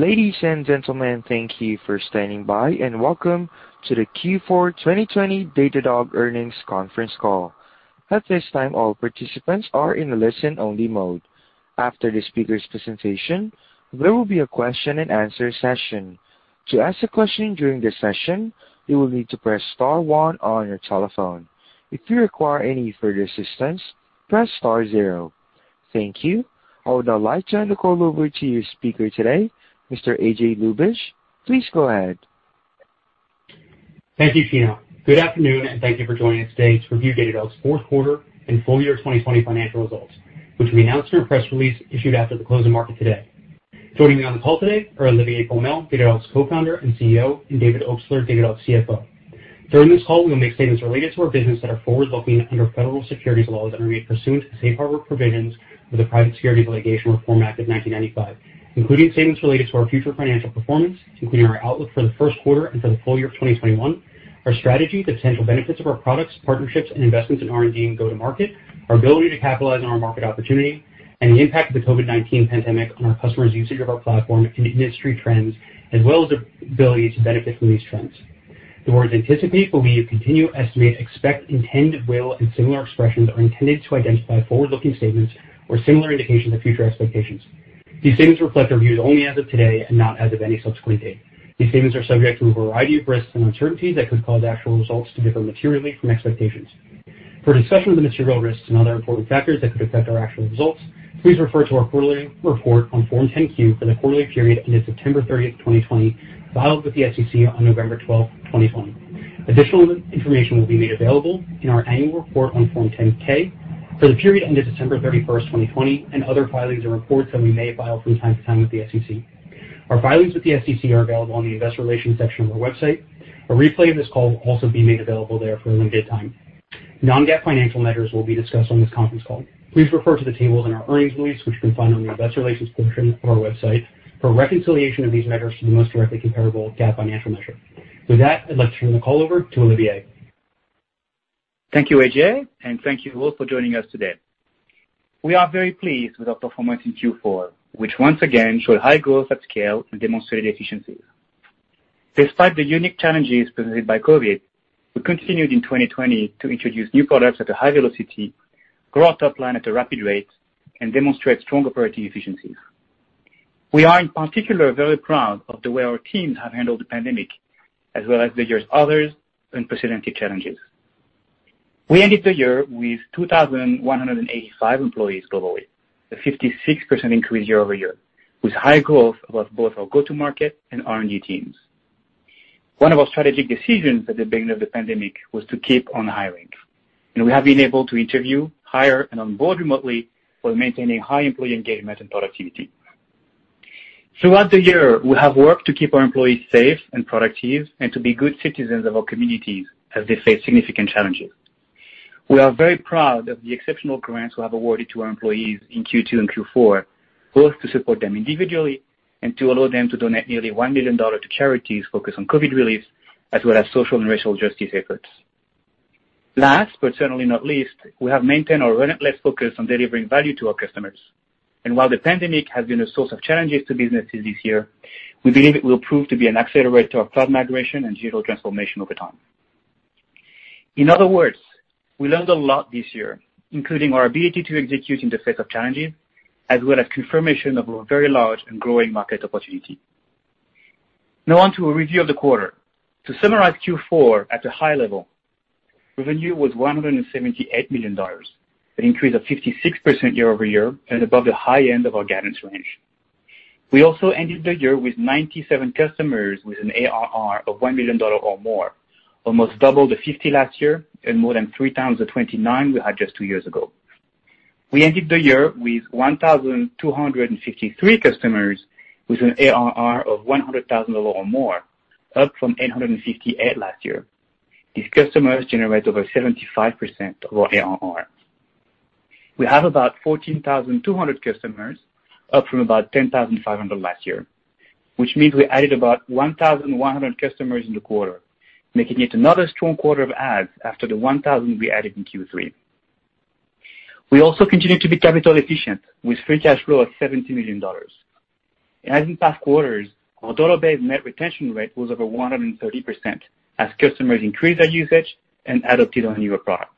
Ladies and gentlemen, thank you for standing by and welcome to the Q4 2020 Datadog earnings conference call. At this time, all participants are in a listen-only mode. After the speaker's presentation, there will be a question-and-answer session. To ask a question during this session, you will need to press star one on your telephone. If you require any further assistance, press star zero. Thank you. Hold on. Thank you. I would now like to turn the call over to your speaker today, Mr. A.J. Ljubich. Please go ahead. Thank you, Tino. Good afternoon, and thank you for joining us today to review Datadog's fourth quarter and full year 2020 financial results, which we announced in a press release issued after the closing market today. Joining me on the call today are Olivier Pomel, Datadog's Co-founder and CEO, and David Obstler, Datadog's CFO. During this call, we will make statements related to our business that are forward-looking under federal securities laws that are made pursuant to Safe Harbor provisions of the Private Securities Litigation Reform Act of 1995, including statements related to our future financial performance, including our outlook for the first quarter and for the full year of 2021. Our strategy, the potential benefits of our products, partnerships, and investments in R&D and go-to market, our ability to capitalize on our market opportunity, and the impact of the COVID-19 pandemic on our customers' usage of our platform and industry trends, as well as ability to benefit from these trends. The words anticipate, believe, continue, estimate, expect, intend, will, and similar expressions are intended to identify forward-looking statements or similar indications of future expectations. These statements reflect our views only as of today and not as of any subsequent date. These statements are subject to a variety of risks and uncertainties that could cause actual results to differ materially from expectations. For a discussion of the material risks and other important factors that could affect our actual results, please refer to our quarterly report on Form 10-Q for the quarterly period ended September 30, 2020, filed with the SEC on November 12, 2020. Additional information will be made available in our annual report on Form 10-K for the period ended December 31, 2020, and other filings and reports that we may file from time to time with the SEC. Our filings with the SEC are available on the Investor Relations section of our website. A replay of this call will also be made available there for a limited time. Non-GAAP financial measures will be discussed on this conference call. Please refer to the tables in our earnings release, which you can find on the Investor Relations portion of our website for a reconciliation of these measures to the most directly comparable GAAP financial measure. With that, I'd like to turn the call over to Olivier. Thank you, A.J. and thank you all for joining us today. We are very pleased with our performance in Q4, which once again showed high growth at scale and demonstrated efficiencies. Despite the unique challenges presented by COVID-19, we continued in 2020 to introduce new products at a high velocity, grow our top line at a rapid rate, and demonstrate strong operating efficiencies. We are in particular very proud of the way our teams have handled the pandemic as well as the year's other unprecedented challenges. We ended the year with 2,185 employees globally, a 56% increase year-over-year, with high growth across both our go-to-market and R&D teams. One of our strategic decisions at the beginning of the pandemic was to keep on hiring, and we have been able to interview, hire, and onboard remotely while maintaining high employee engagement and productivity. Throughout the year, we have worked to keep our employees safe and productive and to be good citizens of our communities as they face significant challenges. We are very proud of the exceptional grants we have awarded to our employees in Q2 and Q4, both to support them individually and to allow them to donate nearly $1 million to charities focused on COVID relief as well as social and racial justice efforts. Last, but certainly not least, we have maintained our relentless focus on delivering value to our customers. While the pandemic has been a source of challenges to businesses this year, we believe it will prove to be an accelerator of cloud migration and digital transformation over time. In other words, we learned a lot this year, including our ability to execute in the face of challenges, as well as confirmation of a very large and growing market opportunity. On to a review of the quarter. To summarize Q4 at a high level, revenue was $178 million, an increase of 56% year-over-year and above the high end of our guidance range. We also ended the year with 97 customers with an ARR of $1 million or more, almost double the 50 last year and more than 3x the 29 we had just two years ago. We ended the year with 1,253 customers with an ARR of $100,000 or more, up from 858 last year. These customers generate over 75% of our ARR. We have about 14,200 customers, up from about 10,500 last year, which means we added about 1,100 customers in the quarter, making it another strong quarter of adds after the 1,000 we added in Q3. We also continue to be capital efficient, with free cash flow of $70 million. As in past quarters, our dollar-based net retention rate was over 130% as customers increased their usage and adopted our newer product.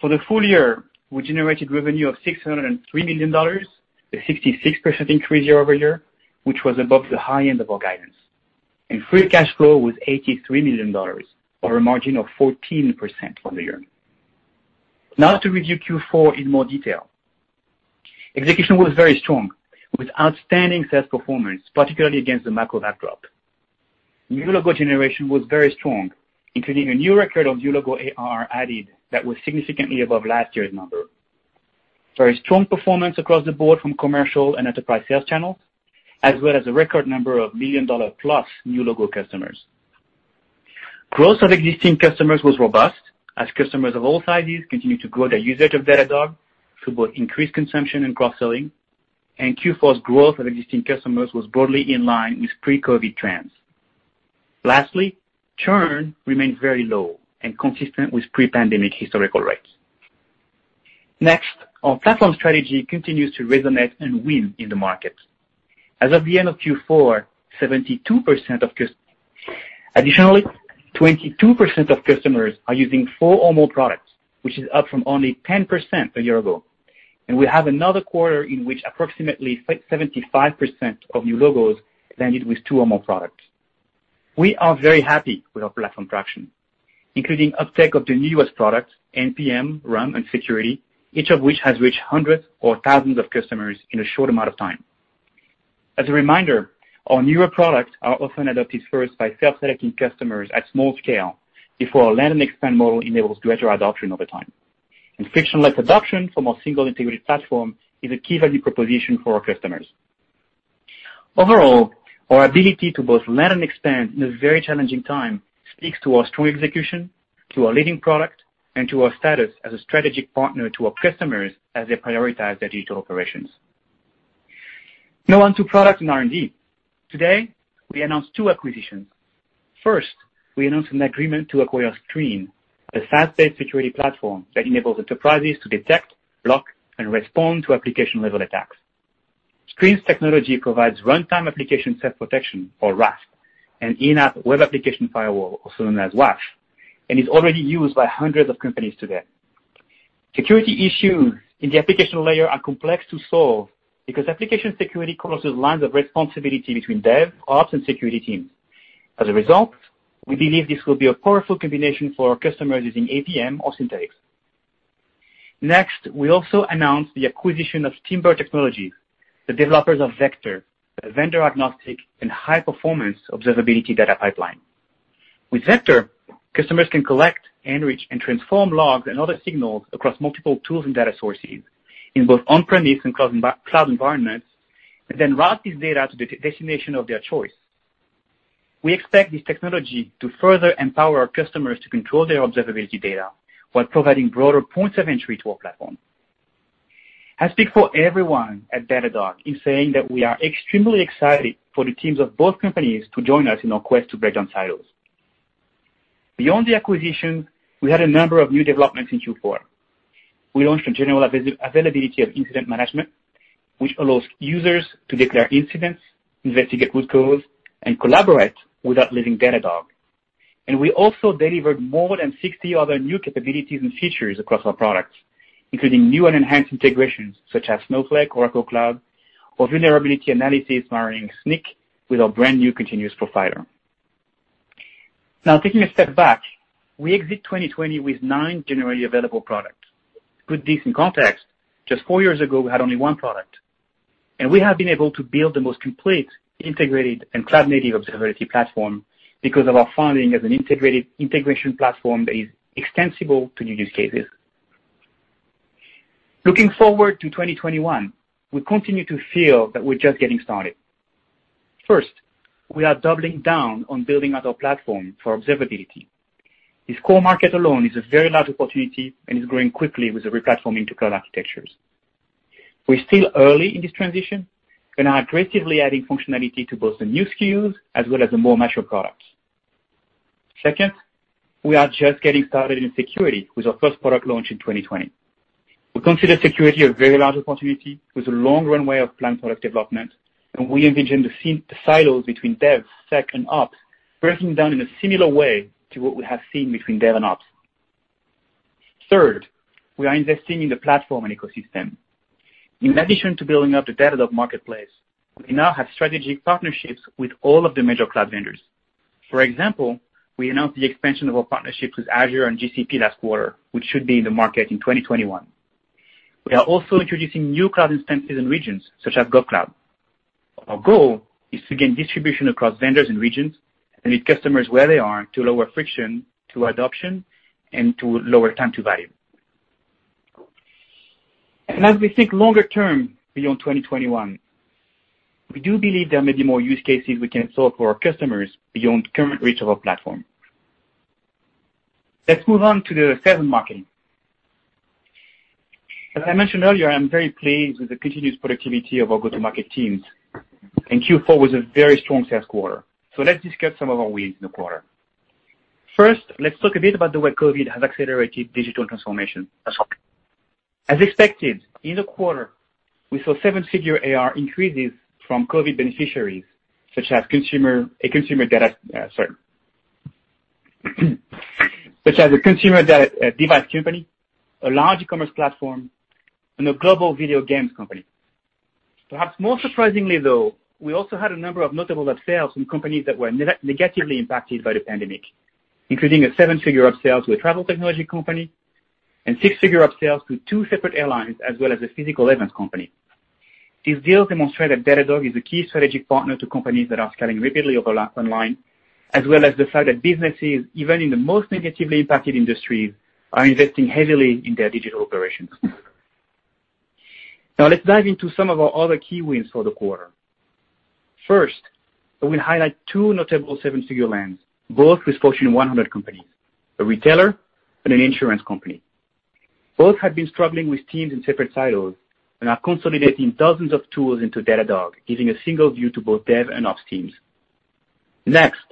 For the full year, we generated revenue of $603 million, a 66% increase year-over-year, which was above the high end of our guidance. Free cash flow was $83 million on a margin of 14% on the year. To review Q4 in more detail. Execution was very strong, with outstanding sales performance, particularly against the macro backdrop. New logo generation was very strong, including a new record of new logo ARR added that was significantly above last year's number. Very strong performance across the board from commercial and enterprise sales channels, as well as a record number of million-dollar-plus new logo customers. Growth of existing customers was robust as customers of all sizes continued to grow their usage of Datadog through both increased consumption and cross-selling. Q4's growth of existing customers was broadly in line with pre-COVID trends. Lastly, churn remains very low and consistent with pre-pandemic historical rates. Next, our platform strategy continues to resonate and win in the market. As of the end of Q4, 22% of customers are using four or more products, which is up from only 10% a year ago. We have another quarter in which approximately 75% of new logos landed with two or more products. We are very happy with our platform traction, including uptake of the newest products, NPM, RUM, and Security, each of which has reached hundreds or thousands of customers in a short amount of time. As a reminder, our newer products are often adopted first by self-selecting customers at small scale before our land and expand model enables gradual adoption over time. Frictionless adoption from our single integrated platform is a key value proposition for our customers. Overall, our ability to both land and expand in a very challenging time speaks to our strong execution, to our leading product, and to our status as a strategic partner to our customers as they prioritize their digital operations. Now on to product and R&D. Today, we announced two acquisitions. First, we announced an agreement to acquire Sqreen, a SaaS-based security platform that enables enterprises to detect, block, and respond to application-level attacks. Sqreen's technology provides runtime application self-protection or RASP, an in-app web application firewall, also known as WAF, and is already used by hundreds of companies today. Security issues in the application layer are complex to solve because application security crosses lines of responsibility between dev, ops, and security teams. As a result, we believe this will be a powerful combination for our customers using APM or Synthetics. We also announced the acquisition of Timber Technologies, the developers of Vector, a vendor-agnostic and high-performance observability data pipeline. With Vector, customers can collect, enrich, and transform logs and other signals across multiple tools and data sources in both on-premise and cloud environments, and then route this data to the destination of their choice. We expect this technology to further empower our customers to control their observability data while providing broader points of entry to our platform. I speak for everyone at Datadog in saying that we are extremely excited for the teams of both companies to join us in our quest to break down silos. Beyond the acquisition, we had a number of new developments in Q4. We launched a general availability of Incident Management, which allows users to declare incidents, investigate root cause, and collaborate without leaving Datadog. We also delivered more than 60 other new capabilities and features across our products, including new and enhanced integrations such as Snowflake, Oracle Cloud, or vulnerability analysis marrying Snyk with our brand-new Continuous Profiler. Now taking a step back, we exit 2020 with nine generally available products. To put this in context, just four years ago, we had only one product. We have been able to build the most complete, integrated, and cloud-native observability platform because of our founding as an integrated integration platform that is extensible to new use cases. Looking forward to 2021, we continue to feel that we're just getting started. We are doubling down on building out our platform for observability. This core market alone is a very large opportunity and is growing quickly with the replatforming to cloud architectures. We're still early in this transition and are aggressively adding functionality to both the new SKUs as well as the more mature products. We are just getting started in security with our first product launch in 2020. We consider security a very large opportunity with a long runway of planned product development, and we envision the silos between dev, sec, and ops breaking down in a similar way to what we have seen between dev and ops. We are investing in the platform and ecosystem. In addition to building up the Datadog Marketplace, we now have strategic partnerships with all of the major cloud vendors. For example, we announced the expansion of our partnerships with Azure and GCP last quarter, which should be in the market in 2021. We are also introducing new cloud instances and regions such as GovCloud. Our goal is to gain distribution across vendors and regions and meet customers where they are to lower friction to adoption and to lower time to value. As we think longer term beyond 2021, we do believe there may be more use cases we can solve for our customers beyond current reach of our platform. Let's move on to the sales marketing. As I mentioned earlier, I'm very pleased with the continuous productivity of our go-to-market teams, and Q4 was a very strong sales quarter. Let's discuss some of our wins in the quarter. First, let's talk a bit about the way COVID has accelerated digital transformation. As expected, in the quarter, we saw $7-figure ARR increases from COVID beneficiaries such as a consumer device company, a large e-commerce platform, and a global video games company. Perhaps more surprisingly, though, we also had a number of notable up-sales from companies that were negatively impacted by the pandemic, including a $7-figure up-sales with travel technology company and $6-figure up-sales to two separate airlines as well as a physical events company. These deals demonstrate that Datadog is a key strategic partner to companies that are scaling rapidly online, as well as the fact that businesses, even in the most negatively impacted industries, are investing heavily in their digital operations. Now let's dive into some of our other key wins for the quarter. First, I will highlight two notable seven-figure lands, both with Fortune 100 companies, a retailer and an insurance company. Both had been struggling with teams in separate silos and are consolidating dozens of tools into Datadog, giving a single view to both dev and ops teams. Next,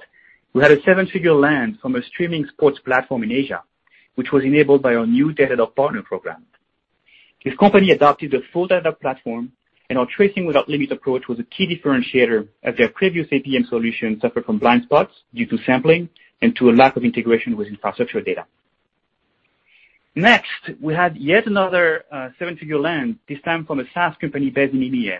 we had a seven-figure land from a streaming sports platform in Asia, which was enabled by our new Datadog partner program. This company adopted the full Datadog platform, and our Tracing without Limits approach was a key differentiator as their previous APM solution suffered from blind spots due to sampling and to a lack of integration with infrastructure data. Next, we had yet another seven-figure land, this time from a SaaS company based in India.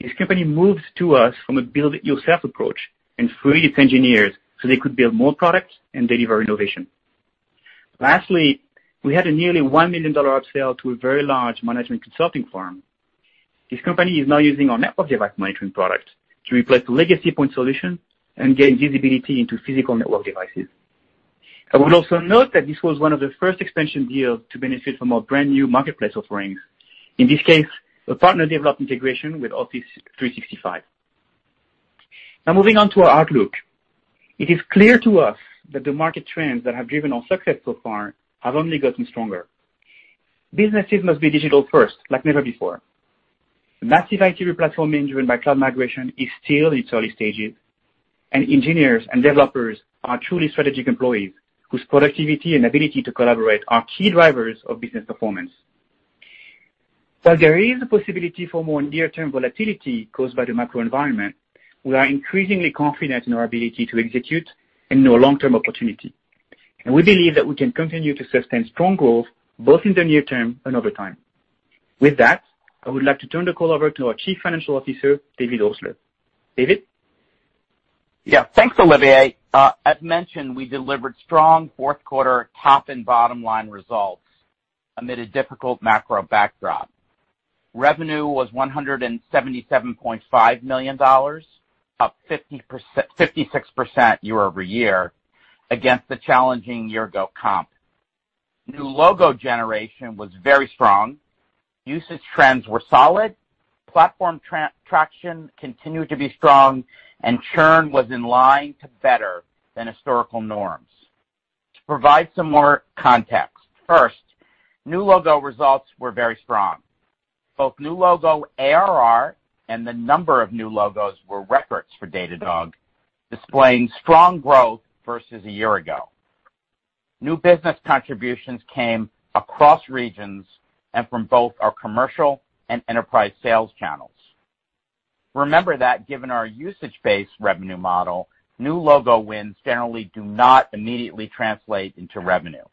This company moved to us from a build-it-yourself approach and freed its engineers so they could build more products and deliver innovation. Lastly, we had a nearly $1 million upsell to a very large management consulting firm. This company is now using our Network Device Monitoring product to replace the legacy point solution and gain visibility into physical network devices. I would also note that this was one of the first expansion deals to benefit from our brand new Marketplace offerings. In this case, a partner developed integration with Office 365. Now moving on to our outlook. It is clear to us that the market trends that have driven our success so far have only gotten stronger. Businesses must be digital first like never before. The massive IT replatforming driven by cloud migration is still in its early stages. Engineers and developers are truly strategic employees whose productivity and ability to collaborate are key drivers of business performance. There is a possibility for more near-term volatility caused by the macro environment. We are increasingly confident in our ability to execute and in our long-term opportunity. We believe that we can continue to sustain strong growth both in the near term and over time. With that, I would like to turn the call over to our Chief Financial Officer, David Obstler. David? Thanks, Olivier. As mentioned, we delivered strong fourth quarter top and bottom line results amid a difficult macro backdrop. Revenue was $177.5 million, up 56% year-over-year against the challenging year ago comp. New logo generation was very strong. Usage trends were solid. Platform traction continued to be strong, and churn was in line to better than historical norms. To provide some more context, first, new logo results were very strong. Both new logo ARR and the number of new logos were records for Datadog, displaying strong growth versus a year ago. New business contributions came across regions and from both our commercial and enterprise sales channels. Remember that given our usage-based revenue model, new logo wins generally do not immediately translate into revenue.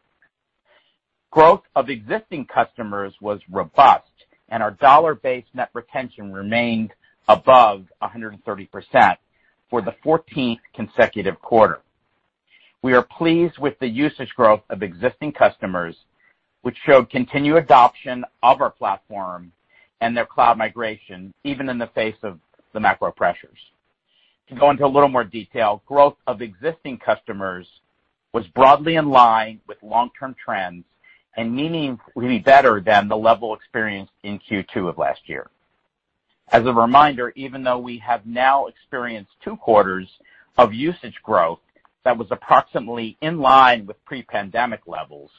Growth of existing customers was robust, and our dollar-based net retention remained above 130% for the 14th consecutive quarter. We are pleased with the usage growth of existing customers, which showed continued adoption of our platform and their cloud migration even in the face of the macro pressures. To go into a little more detail, growth of existing customers was broadly in line with long-term trends and meaningfully better than the level experienced in Q2 of last year. As a reminder, even though we have now experienced two quarters of usage growth that was approximately in line with pre-pandemic levels,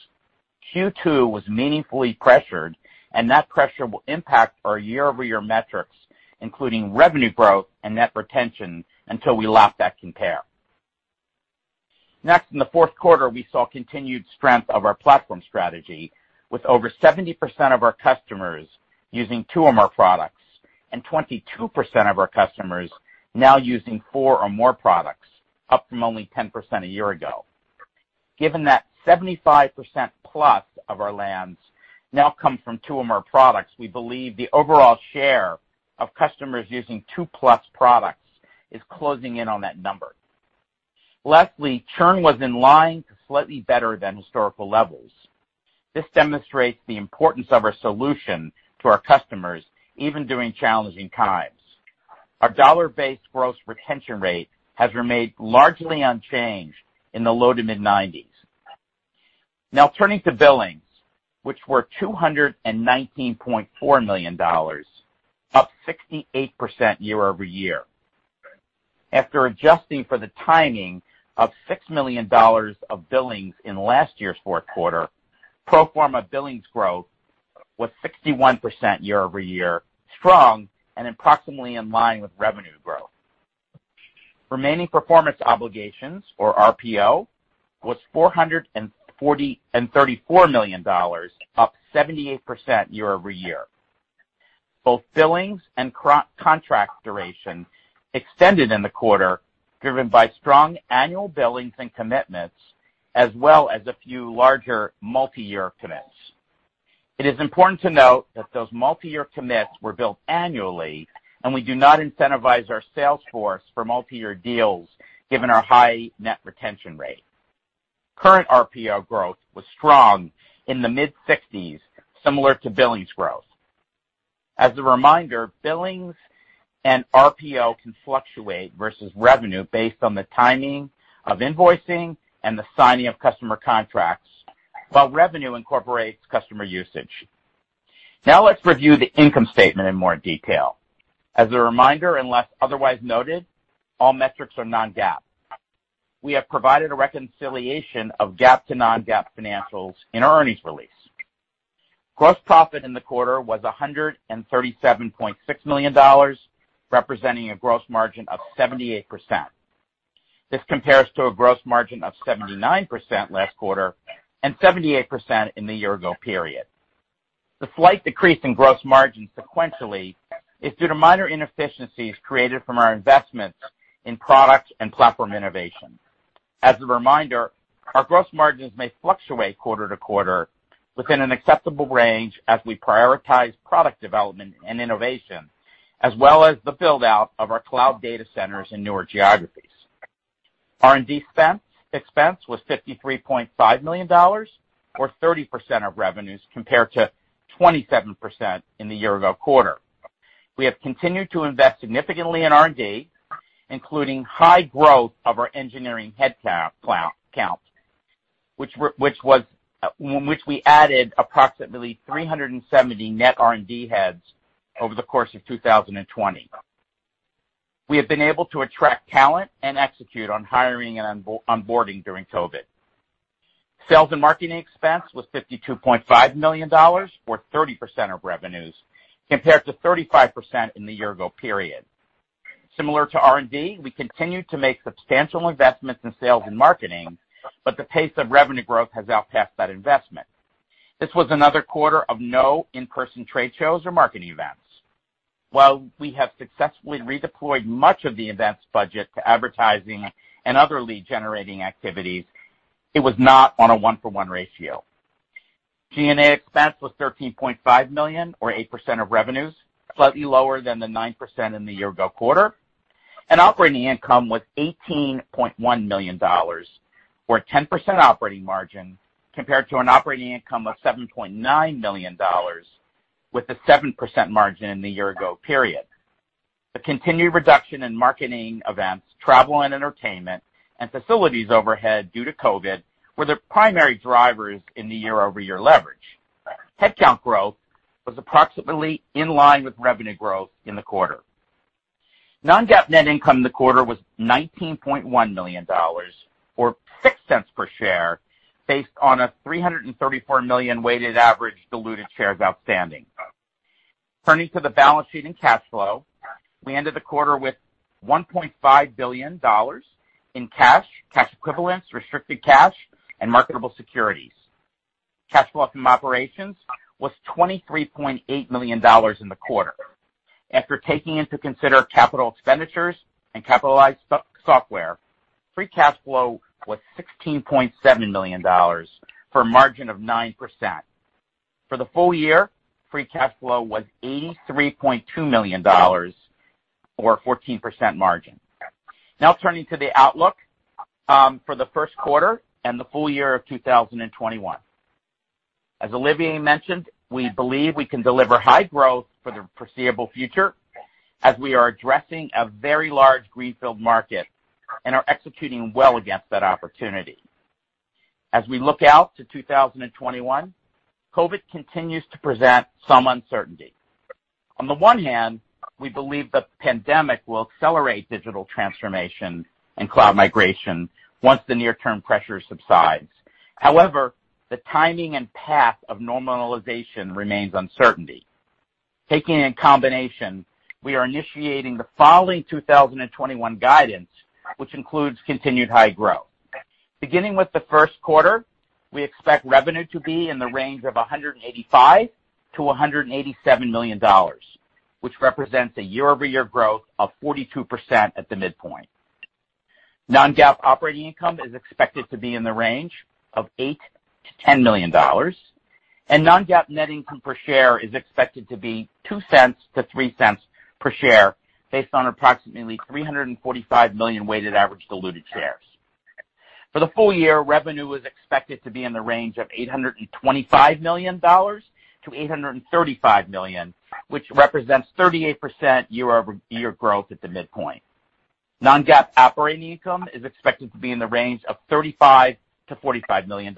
Q2 was meaningfully pressured, and that pressure will impact our year-over-year metrics, including revenue growth and net retention, until we lap that compare. In the fourth quarter, we saw continued strength of our platform strategy with over 70% of our customers using two or more products and 22% of our customers now using four or more products, up from only 10% a year ago. Given that 75%+ of our lands now come from two or more products, we believe the overall share of customers using two plus products is closing in on that number. Churn was in line to slightly better than historical levels. This demonstrates the importance of our solution to our customers even during challenging times. Our dollar-based gross retention rate has remained largely unchanged in the low to mid-90s. Turning to billings, which were $219.4 million, up 68% year-over-year. After adjusting for the timing of $6 million of billings in last year's fourth quarter, pro forma billings growth was 61% year-over-year, strong and approximately in line with revenue growth. Remaining performance obligations, or RPO, was $434 million, up 78% year-over-year. Both billings and contract duration extended in the quarter, driven by strong annual billings and commitments as well as a few larger multi-year commits. It is important to note that those multi-year commits were built annually, and we do not incentivize our sales force for multi-year deals given our high net retention rate. Current RPO growth was strong in the mid-60s, similar to billings growth. As a reminder, billings and RPO can fluctuate versus revenue based on the timing of invoicing and the signing of customer contracts, while revenue incorporates customer usage. Now let's review the income statement in more detail. As a reminder, unless otherwise noted, all metrics are non-GAAP. We have provided a reconciliation of GAAP to non-GAAP financials in our earnings release. Gross profit in the quarter was $137.6 million, representing a gross margin of 78%. This compares to a gross margin of 79% last quarter and 78% in the year ago period. The slight decrease in gross margin sequentially is due to minor inefficiencies created from our investments in product and platform innovation. As a reminder, our gross margins may fluctuate quarter-to-quarter within an acceptable range as we prioritize product development and innovation, as well as the build-out of our cloud data centers in newer geographies. R&D expense was $53.5 million or 30% of revenues compared to 27% in the year ago quarter. We have continued to invest significantly in R&D, including high growth of our engineering headcount, which we added approximately 370 net R&D heads over the course of 2020. We have been able to attract talent and execute on hiring and onboarding during COVID. Sales and marketing expense was $52.5 million, or 30% of revenues, compared to 35% in the year ago period. Similar to R&D, we continued to make substantial investments in sales and marketing, but the pace of revenue growth has outpaced that investment. This was another quarter of no in-person trade shows or marketing events. While we have successfully redeployed much of the events budget to advertising and other lead-generating activities, it was not on a one-for-one ratio. G&A expense was $13.5 million, or 8% of revenues, slightly lower than the 9% in the year-ago quarter. Operating income was $18.1 million or 10% operating margin compared to an operating income of $7.9 million with a 7% margin in the year-ago period. The continued reduction in marketing events, travel and entertainment, and facilities overhead due to COVID were the primary drivers in the year-over-year leverage. Headcount growth was approximately in line with revenue growth in the quarter. Non-GAAP net income in the quarter was $19.1 million, or $0.06 per share, based on 334 million weighted average diluted shares outstanding. Turning to the balance sheet and cash flow, we ended the quarter with $1.5 billion in cash equivalents, restricted cash, and marketable securities. Cash flow from operations was $23.8 million in the quarter. After taking into consider capital expenditures and capitalized software, free cash flow was $16.7 million for a margin of 9%. For the full year, free cash flow was $83.2 million or 14% margin. Now turning to the outlook, for the first quarter and the full year of 2021. As Olivier mentioned, we believe we can deliver high growth for the foreseeable future as we are addressing a very large greenfield market and are executing well against that opportunity. As we look out to 2021, COVID continues to present some uncertainty. On the one hand, we believe the pandemic will accelerate digital transformation and cloud migration once the near-term pressure subsides. The timing and path of normalization remains uncertain. Taking in combination, we are initiating the following 2021 guidance, which includes continued high growth. Beginning with the first quarter, we expect revenue to be in the range of $185 million-$187 million, which represents a year-over-year growth of 42% at the midpoint. Non-GAAP operating income is expected to be in the range of $8 million-$10 million, and Non-GAAP net income per share is expected to be $0.02-$0.03 per share based on approximately 345 million weighted average diluted shares. For the full year, revenue is expected to be in the range of $825 million-$835 million, which represents 38% year-over-year growth at the midpoint. Non-GAAP operating income is expected to be in the range of $35 million-$45 million,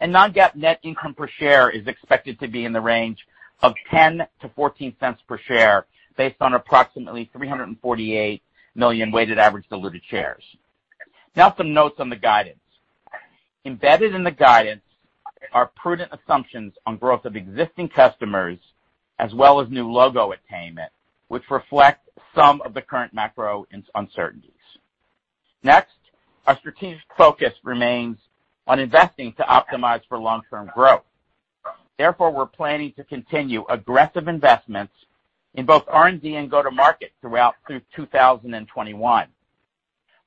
and Non-GAAP net income per share is expected to be in the range of $0.10-$0.14 per share based on approximately 348 million weighted average diluted shares. Now some notes on the guidance. Embedded in the guidance are prudent assumptions on growth of existing customers as well as new logo attainment, which reflect some of the current macro uncertainties. Next, our strategic focus remains on investing to optimize for long-term growth. Therefore, we're planning to continue aggressive investments in both R&D and go-to-market throughout 2021.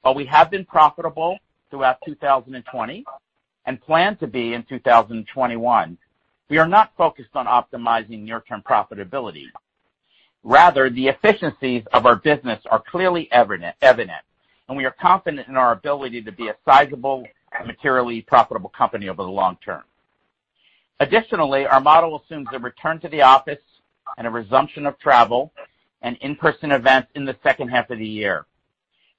While we have been profitable throughout 2020 and plan to be in 2021, we are not focused on optimizing near-term profitability. Rather, the efficiencies of our business are clearly evident, and we are confident in our ability to be a sizable and materially profitable company over the long term. Additionally, our model assumes a return to the office and a resumption of travel and in-person events in the second half of the year.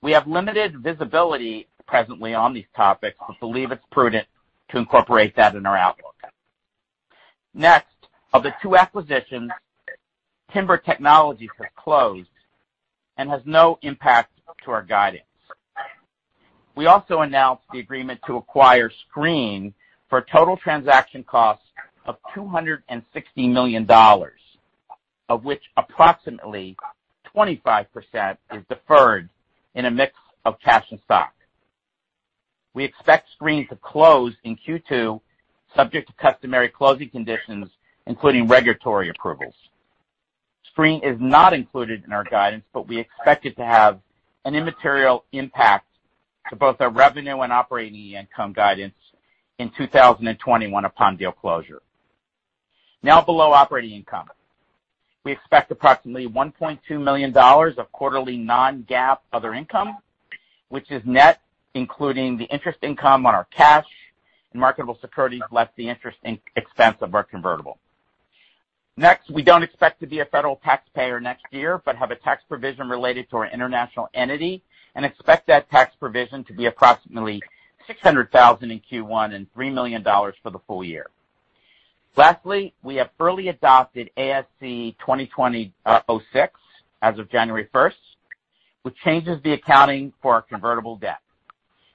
We have limited visibility presently on these topics but believe it's prudent to incorporate that in our outlook. Next, of the two acquisitions, Timber Technologies has closed and has no impact to our guidance. We also announced the agreement to acquire Sqreen for total transaction costs of $260 million, of which approximately 25% is deferred in a mix of cash and stock. We expect Sqreen to close in Q2, subject to customary closing conditions, including regulatory approvals. Sqreen is not included in our guidance, we expect it to have an immaterial impact to both our revenue and operating income guidance in 2021 upon deal closure. Below operating income. We expect approximately $1.2 million of quarterly Non-GAAP other income, which is net including the interest income on our cash and marketable securities, less the interest in expense of our convertible. We don't expect to be a federal taxpayer next year, have a tax provision related to our international entity and expect that tax provision to be approximately $600,000 in Q1 and $3 million for the full year. Lastly, we have fully adopted ASU 2020-06 as of January first, which changes the accounting for our convertible debt.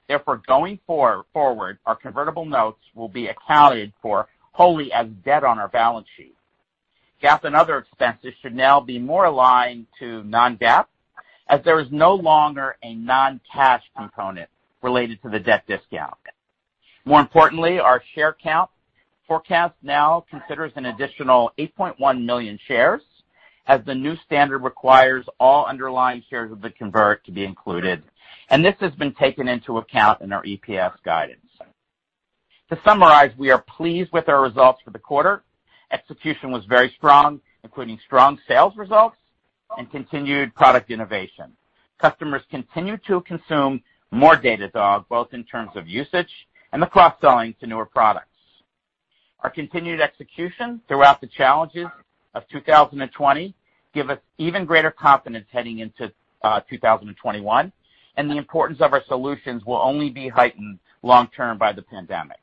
Therefore, going forward, our convertible notes will be accounted for wholly as debt on our balance sheet. GAAP and other expenses should now be more aligned to non-GAAP, as there is no longer a non-cash component related to the debt discount. More importantly, our share count forecast now considers an additional 8.1 million shares, as the new standard requires all underlying shares of the convert to be included. This has been taken into account in our EPS guidance. To summarize, we are pleased with our results for the quarter. Execution was very strong, including strong sales results and continued product innovation. Customers continue to consume more Datadog, both in terms of usage and the cross-selling to newer products. Our continued execution throughout the challenges of 2020 give us even greater confidence heading into 2021, and the importance of our solutions will only be heightened long-term by the pandemic.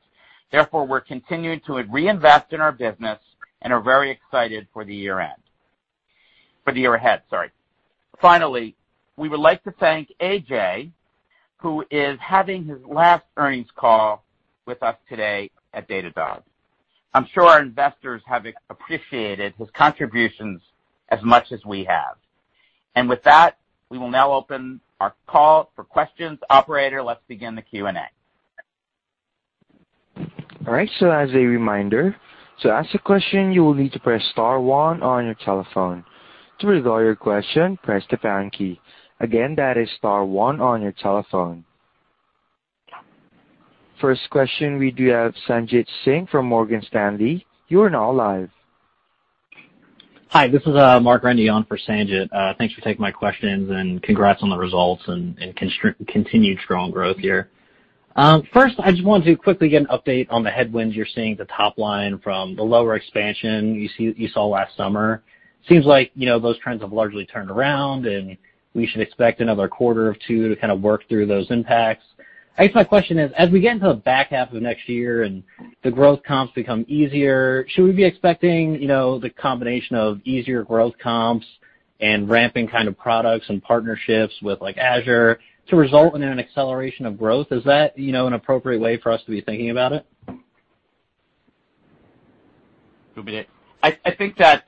Therefore, we're continuing to reinvest in our business and are very excited for the year end. For the year ahead, sorry. Finally, we would like to thank A.J., who is having his last earnings call with us today at Datadog. I'm sure our investors have appreciated his contributions as much as we have. With that, we will now open our call for questions. Operator, let's begin the Q&A. All right. As a reminder, to ask a question, you will need to press star one on your telephone. To withdraw your question, press the pound key. Again, that is star one on your telephone. First question, we do have Sanjit Singh from Morgan Stanley. You are now live. Hi, this is Mark Reni on for Sanjit Singh. Thanks for taking my questions and congrats on the results and continued strong growth here. First, I just wanted to quickly get an update on the headwinds you're seeing at the top line from the lower expansion you saw last summer. Seems like, you know, those trends have largely turned around, and we should expect another quarter or two to kind of work through those impacts. I guess my question is, as we get into the back half of next year and the growth comps become easier, should we be expecting, you know, the combination of easier growth comps and ramping kind of products and partnerships with like Azure to result in an acceleration of growth? Is that, you know, an appropriate way for us to be thinking about it? I think that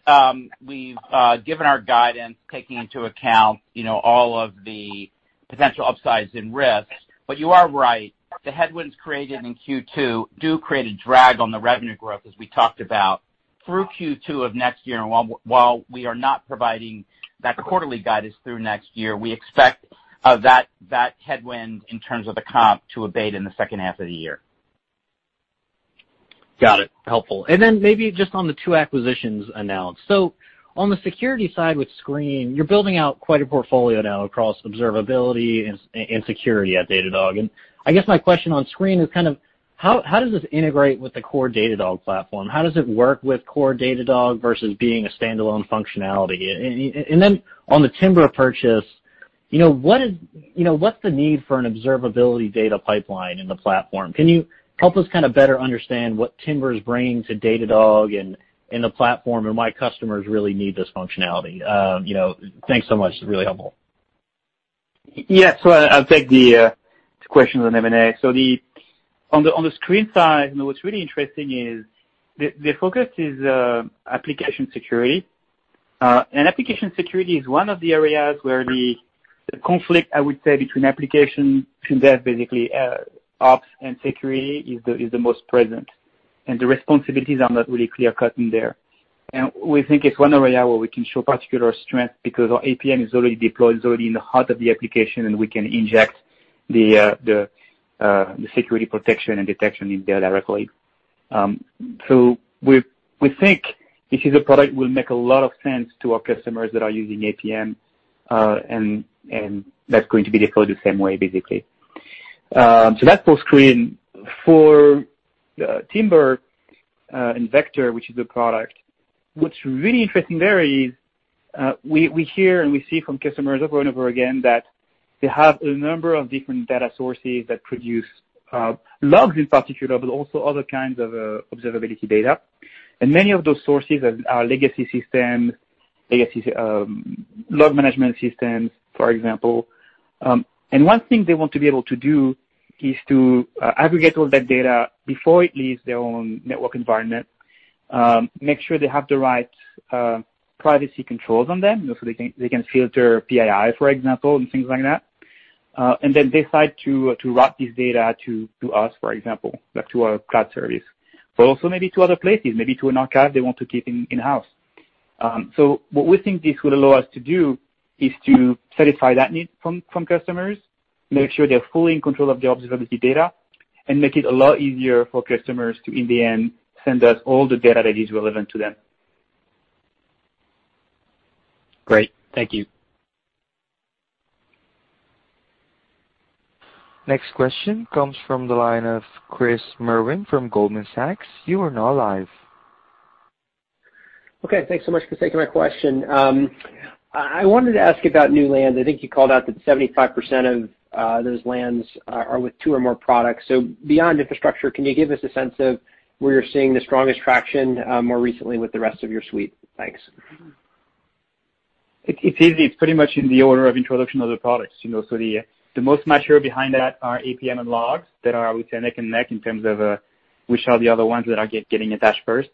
we've given our guidance, taking into account, you know, all of the potential upsides and risks, but you are right. The headwinds created in Q2 do create a drag on the revenue growth, as we talked about. Through Q2 of next year, while we are not providing that quarterly guidance through next year, we expect that headwind in terms of the comp to abate in the second half of the year. Got it. Helpful. Maybe just on the two acquisitions announced. On the security side with Sqreen, you're building out quite a portfolio now across observability and security at Datadog. I guess my question on Sqreen is kind of how does this integrate with the core Datadog platform? How does it work with core Datadog versus being a standalone functionality? On the Timber purchase, you know, what's the need for an observability data pipeline in the platform? Can you help us kind of better understand what Timber is bringing to Datadog and the platform and why customers really need this functionality? You know. Thanks so much. Really helpful. I'll take the questions on M&A. On the Sqreen side, you know, what's really interesting is the focus is application security. Application security is one of the areas where the conflict, I would say, between application, since they're basically ops and security is the most present, and the responsibilities are not really clear-cut in there. We think it's one area where we can show particular strength because our APM is already deployed, it's already in the heart of the application, and we can inject the security protection and detection in there directly. We think this is a product will make a lot of sense to our customers that are using APM and that's going to be deployed the same way basically. That's for Sqreen. For Timber and Vector, which is a product, what's really interesting there is. We hear and we see from customers over and over again that they have a number of different data sources that produce logs in particular, but also other kinds of observability data. Many of those sources are legacy systems, legacy log management systems, for example. One thing they want to be able to do is to aggregate all that data before it leaves their own network environment, make sure they have the right privacy controls on them, you know, so they can filter PII, for example, and things like that. Then decide to route this data to us, for example, like to our cloud service. Also maybe to other places, maybe to an archive they want to keep in-house. What we think this will allow us to do is to satisfy that need from customers, make sure they're fully in control of the observability data, and make it a lot easier for customers to, in the end, send us all the data that is relevant to them. Great. Thank you. Next question comes from the line of Chris Merwin from Goldman Sachs. You are now live. Okay. Thanks so much for taking my question. I wanted to ask about new lands. I think you called out that 75% of those lands are with two or more products. Beyond infrastructure, can you give us a sense of where you're seeing the strongest traction more recently with the rest of your suite? Thanks. It's easy. It's pretty much in the order of introduction of the products, you know. The most mature behind that are Application Performance Monitoring and logs that are, I would say, neck and neck in terms of which are the other ones that are getting attached first.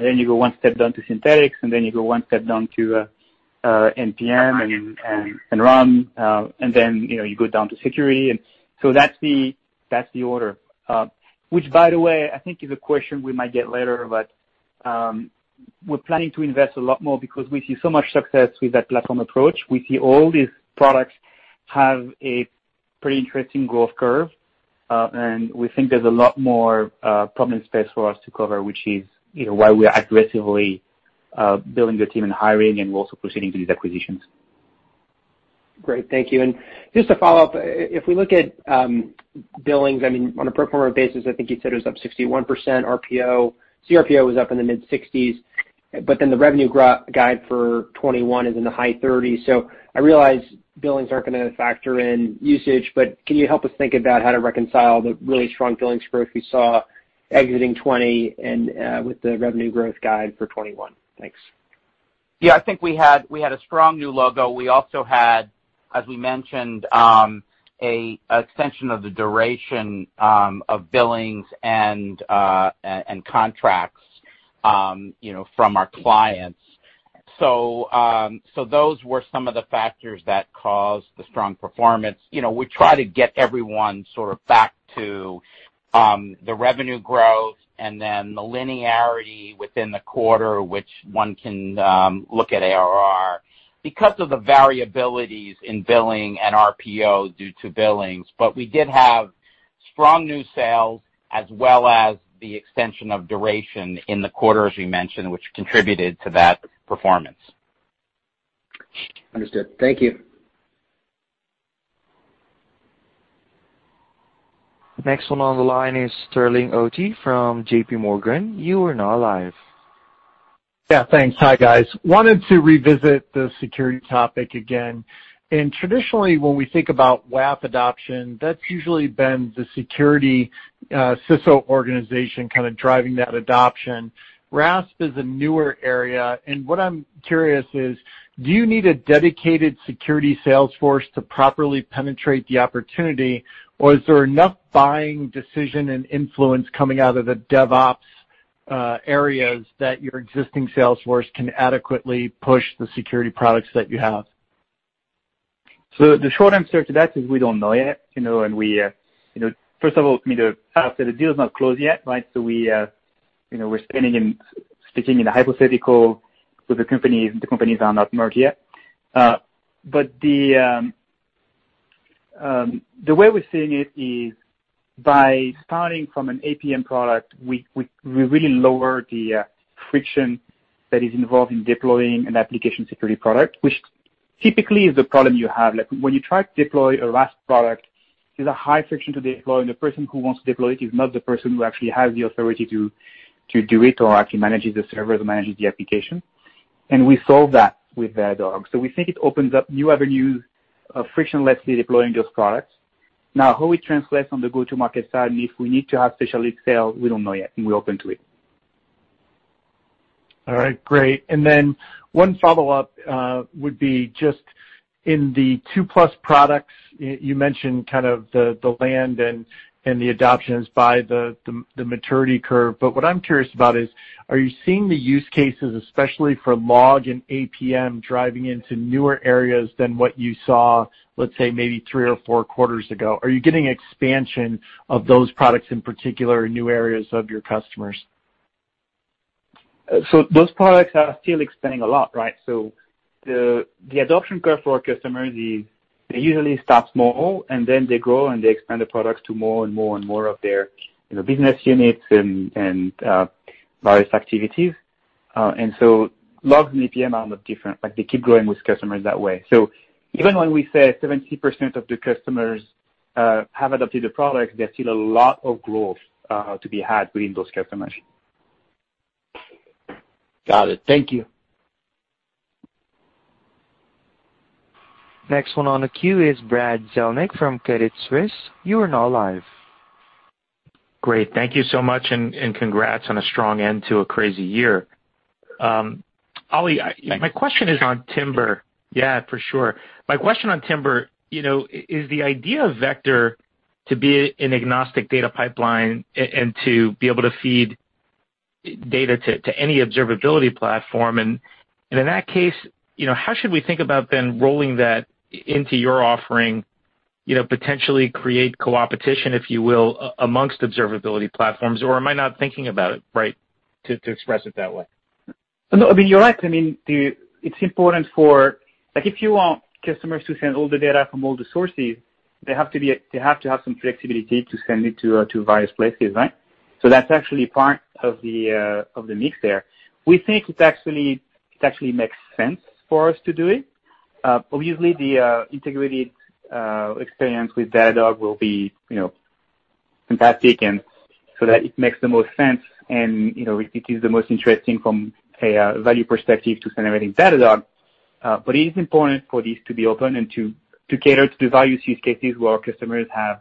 Then you go one step down to Datadog Synthetic Monitoring, then you go one step down to Network Performance Monitoring and Real User Monitoring. Then, you know, you go down to security. That's the order. Which by the way, I think is a question we might get later, but we're planning to invest a lot more because we see so much success with that platform approach. We see all these products have a pretty interesting growth curve, and we think there's a lot more problem space for us to cover, which is, you know, why we are aggressively building the team and hiring and also proceeding through these acquisitions. Great. Thank you. Just to follow up, if we look at, I mean, billings on a pro forma basis, I think you said it was up 61% RPO. CRPO was up in the mid-60s, but then the revenue guide for 2021 is in the high 30s. I realize billings aren't gonna factor in usage, but can you help us think about how to reconcile the really strong billings growth we saw exiting 2020 with the revenue growth guide for 2021? Thanks. Yeah. I think we had a strong new logo. We also had, as we mentioned, an extension of the duration of billings and contracts, you know, from our clients. Those were some of the factors that caused the strong performance. You know, we try to get everyone sort of back to the revenue growth and then the linearity within the quarter, which one can look at ARR because of the variabilities in billing and RPO due to billings. We did have strong new sales as well as the extension of duration in the quarter, as we mentioned, which contributed to that performance. Understood. Thank you. Next one on the line is Sterling Auty from JPMorgan. You are now live. Thanks. Hi, guys. Wanted to revisit the security topic again. Traditionally, when we think about WAF adoption, that's usually been the security, CISO organization kind of driving that adoption. RASP is a newer area, and what I'm curious is, do you need a dedicated security sales force to properly penetrate the opportunity, or is there enough buying decision and influence coming out of the DevOps areas that your existing sales force can adequately push the security products that you have? The short answer to that is we don't know yet, and we, first of all, for me to say the deal's not closed yet, right? We're spending and sticking in a hypothetical with the company. The companies are not merged yet. The way we're seeing it is by starting from an APM product, we really lower the friction that is involved in deploying an application security product, which typically is the problem you have. Like, when you try to deploy a RASP product, there's a high friction to deploy, and the person who wants to deploy it is not the person who actually has the authority to do it or actually manages the server or manages the application. We solve that with Datadog. We think it opens up new avenues of frictionlessly deploying those products. Now, how it translates on the go-to-market side, and if we need to have special lead sales, we don't know yet, and we're open to it. All right, great. One follow-up would be just in the two-plus products, you mentioned kind of the land and the adoptions by the maturity curve. What I'm curious about is, are you seeing the use cases, especially for log and APM, driving into newer areas than what you saw, let's say, maybe three or four quarters ago? Are you getting expansion of those products, in particular, in new areas of your customers? Those products are still expanding a lot, right? The adoption curve for a customer is they usually start small, and then they grow, and they expand the products to more and more and more of their, you know, business units and various activities. Logs and APM are not different. Like, they keep growing with customers that way. Even when we say 70% of the customers have adopted the product, there is still a lot of growth to be had within those customers. Got it. Thank you. Next one on the queue is Brad Zelnick from Credit Suisse. Great. Thank you so much, and congrats on a strong end to a crazy year. Olivier Pomel, Yeah. My question is on Timber. Yeah, for sure. My question on Timber, you know, is the idea of Vector to be an agnostic data pipeline and to be able to feed data to any observability platform? In that case, you know, how should we think about then rolling that into your offering, you know, potentially create co-opetition, if you will, amongst observability platforms? Am I not thinking about it right to express it that way? No, I mean, you're right. I mean, it's important for, like, if you want customers to send all the data from all the sources, they have to have some flexibility to send it to various places, right? That's actually part of the of the mix there. We think it actually makes sense for us to do it. Obviously the integrated experience with Datadog will be, you know, fantastic and so that it makes the most sense and, you know, it is the most interesting from a value perspective to send everything to Datadog. It is important for this to be open and to cater to the value use cases where our customers have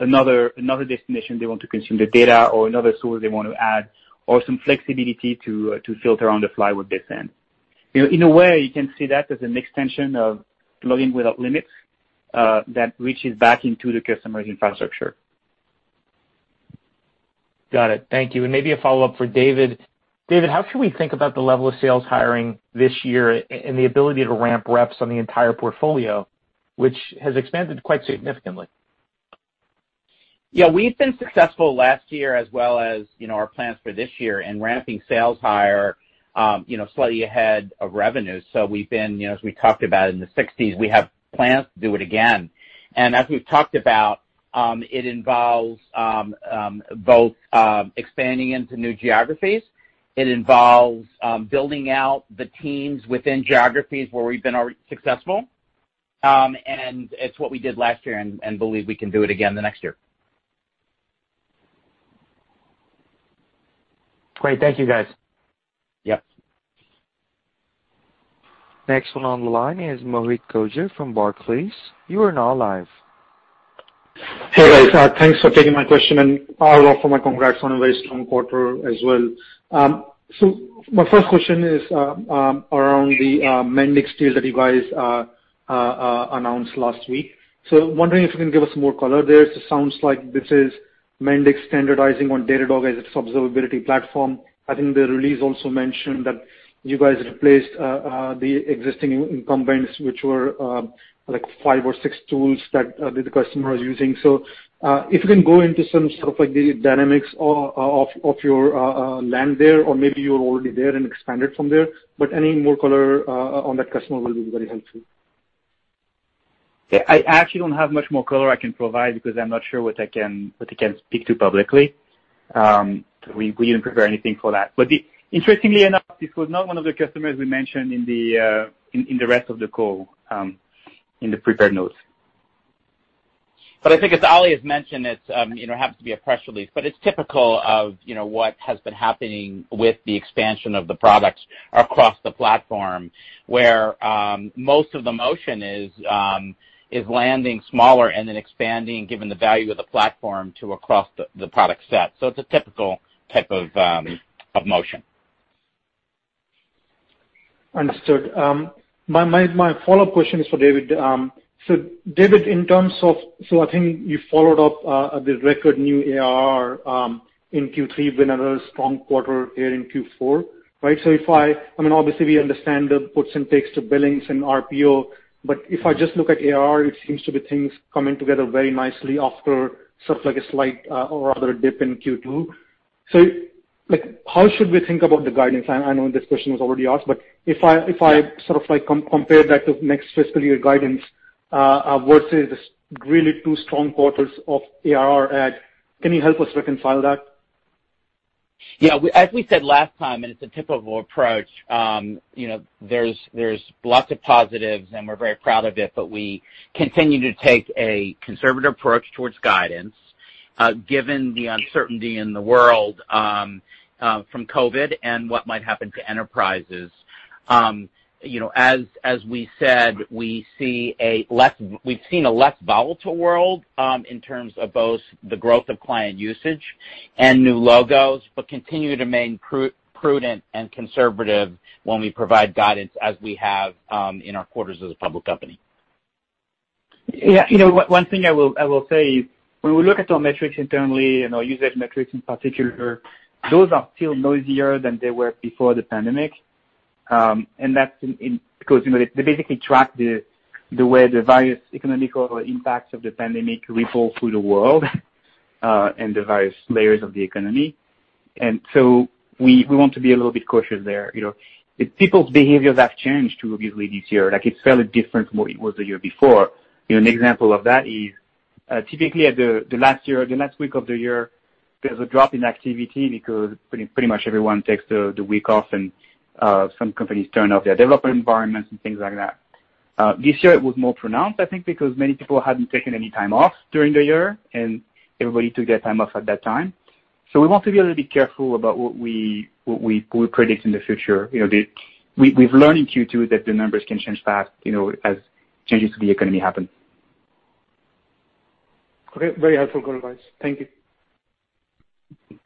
another destination they want to consume the data or another source they want to add or some flexibility to filter on the fly with this end. You know, in a way, you can see that as an extension of Logging without Limits, that reaches back into the customer's infrastructure. Got it. Thank you. Maybe a follow-up for David. David, how should we think about the level of sales hiring this year and the ability to ramp reps on the entire portfolio, which has expanded quite significantly? Yeah. We've been successful last year as well as, you know, our plans for this year in ramping sales higher, you know, slightly ahead of revenue. We've been, you know, as we talked about in the 60s, we have plans to do it again. As we've talked about, it involves both expanding into new geographies. It involves building out the teams within geographies where we've been successful. It's what we did last year and believe we can do it again the next year. Great. Thank you, guys. Yep. Next one on the line is Mohit Gogia from Barclays. You are now live. Hey, guys, thanks for taking my question, and Oli, also my congrats on a very strong quarter as well. My first question is around the Mendix deal that you guys announced last week. Wondering if you can give us more color there. It sounds like this is Mendix standardizing on Datadog as its observability platform. I think the release also mentioned that you guys replaced the existing incumbents, which were like five or six tools that the customer was using. If you can go into some sort of like the dynamics of your land there, or maybe you're already there and expanded from there, but any more color on that customer will be very helpful. Yeah. I actually don't have much more color I can provide because I'm not sure what I can speak to publicly. We didn't prepare anything for that. Interestingly enough, this was not one of the customers we mentioned in the rest of the call, in the prepared notes. I think as Olivier Pomel has mentioned, it's happens to be a press release, but it's typical of what has been happening with the expansion of the products across the platform, where is landing smaller and then expanding given the value of the platform to across the product set. It's a typical type of motion. Understood. My follow-up question is for David. David, I think you followed up the record new ARR in Q3 with another strong quarter here in Q4, right? If I I mean, obviously we understand the puts and takes to billings and RPO, but if I just look at ARR, it seems to be things coming together very nicely after sort of like a slight, or rather a dip in Q2. Like, how should we think about the guidance? I know this question was already asked, but if I- Yeah. If I sort of like compare that to next fiscal year guidance, versus really two strong quarters of ARR add, can you help us reconcile that? Yeah. As we said last time, and it's a typical approach, you know, there's lots of positives, and we're very proud of it, but we continue to take a conservative approach towards guidance, given the uncertainty in the world, from COVID-19 and what might happen to enterprises. You know, as we said, we've seen a less volatile world, in terms of both the growth of client usage and new logos, but continue to remain prudent and conservative when we provide guidance as we have, in our quarters as a public company. Yeah. You know, one thing I will say is when we look at our metrics internally and our usage metrics in particular, those are still noisier than they were before the pandemic. That's 'Cause, you know, they basically track the way the various economic impacts of the pandemic ripple through the world and the various layers of the economy. We want to be a little bit cautious there. You know, people's behaviors have changed too, obviously, this year. Like, it's fairly different from what it was the year before. You know, an example of that is, typically at the last week of the year. There's a drop in activity because pretty much everyone takes the week off, and some companies turn off their developer environments and things like that. This year it was more pronounced, I think, because many people hadn't taken any time off during the year, and everybody took their time off at that time. We want to be a little bit careful about what we predict in the future. You know, we've learned in Q2 that the numbers can change fast, you know, as changes to the economy happen. Okay. Very helpful guidance. Thank you.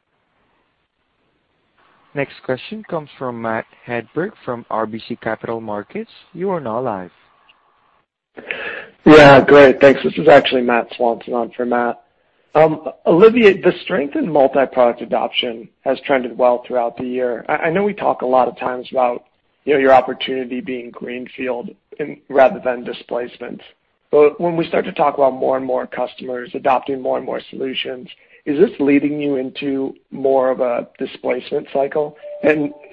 Next question comes from Matt Hedberg from RBC Capital Markets. Yeah, great. Thanks. This is actually Matt Swanson on for Matt. Olivier, the strength in multi-product adoption has trended well throughout the year. I know we talk a lot of times about, you know, your opportunity being greenfield rather than displacement. When we start to talk about more and more customers adopting more and more solutions, is this leading you into more of a displacement cycle?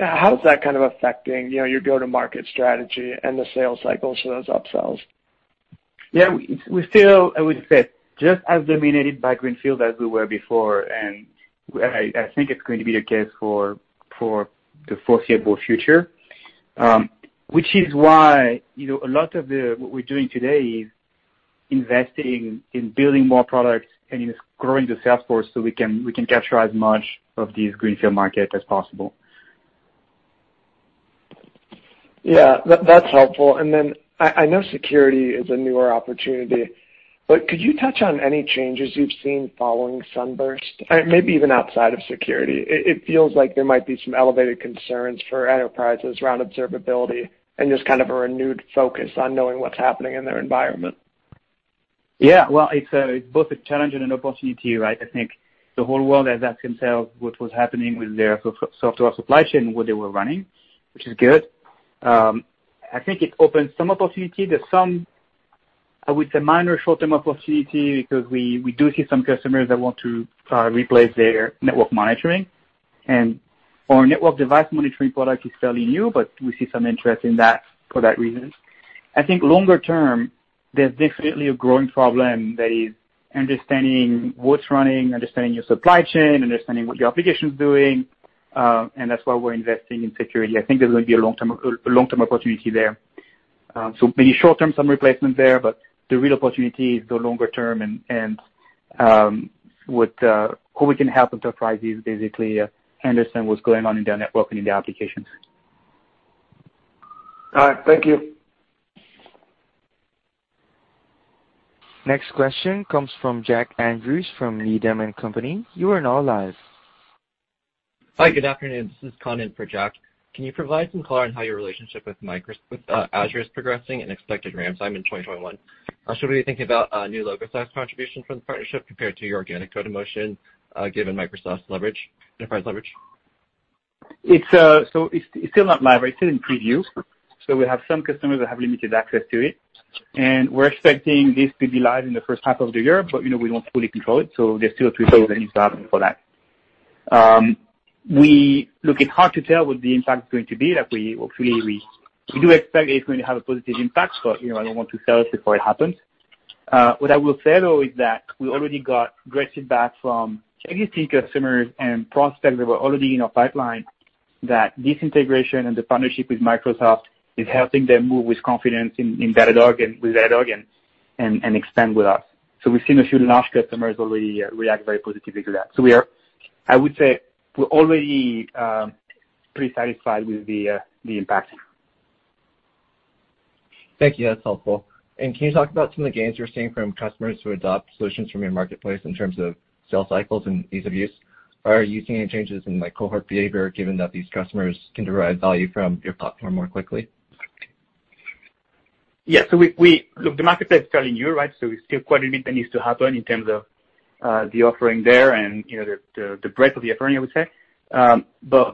How is that kind of affecting, you know, your go-to-market strategy and the sales cycles for those upsells? Yeah. We still, I would say, just as dominated by greenfield as we were before, and I think it's going to be the case for the foreseeable future. Which is why, you know, a lot of what we're doing today is investing in building more products and in growing the sales force so we can capture as much of these greenfield market as possible. Yeah. That's helpful. I know security is a newer opportunity, could you touch on any changes you've seen following SUNBURST? Maybe even outside of security. It feels like there might be some elevated concerns for enterprises around observability and just kind of a renewed focus on knowing what's happening in their environment. Yeah. Well, it's both a challenge and an opportunity, right? I think the whole world has asked themselves what was happening with their software supply chain, what they were running, which is good. I think it opens some opportunity. There's some, I would say, minor short-term opportunity because we do see some customers that want to replace their network monitoring. Our Network Device Monitoring product is fairly new, but we see some interest in that for that reason. I think longer term, there's definitely a growing problem that is understanding what's running, understanding your supply chain, understanding what your application's doing, and that's why we're investing in security. I think there's gonna be a long-term opportunity there. Maybe short term, some replacement there, but the real opportunity is the longer term and, what, how we can help enterprises basically understand what's going on in their network and in their applications. All right. Thank you. Next question comes from Jack Andrews from Needham & Company. You are now live. Hi, good afternoon. This is Conan for Jack. Can you provide some color on how your relationship with Azure is progressing and expected ramps in 2021? Should we be thinking about new logo size contribution from the partnership compared to your organic go-to-market motion, given Microsoft's leverage, enterprise leverage? It's still not live. It's still in preview. We have some customers that have limited access to it. We're expecting this to be live in the first half of the year, but, you know, we don't fully control it, there's still a few things that needs to happen for that. It's hard to tell what the impact is going to be. Like, hopefully, we do expect it's going to have a positive impact, but, you know, I don't want to sell it before it happens. What I will say, though, is that we already got great feedback from existing customers and prospects that were already in our pipeline that this integration and the partnership with Microsoft is helping them move with confidence in Datadog and with Datadog and expand with us. We've seen a few large customers already react very positively to that. I would say we're already pretty satisfied with the impact. Thank you. That is helpful. Can you talk about some of the gains you are seeing from customers who adopt solutions from your Marketplace in terms of sales cycles and ease of use? Are you seeing any changes in, like, cohort behavior given that these customers can derive value from your platform more quickly? Yeah. We Look, the marketplace is fairly new, right? It's still quite a bit that needs to happen in terms of the offering there and, you know, the breadth of the offering, I would say.